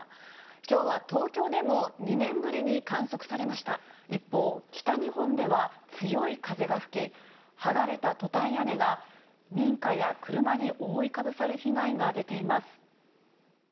きょうは東京でも２年ぶりに観測一方、北日本では強い風が吹き、剥がれたトタン屋根が民家や車に覆いかぶさる被害が出ています。